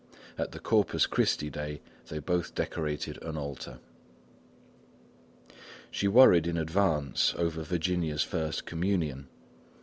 At the Corpus Christi Day they both decorated an altar. She worried in advance over Virginia's first communion.